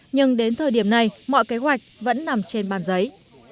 nhưng đến thời điểm này mọi kế hoạch vẫn nằm trên bàn giấy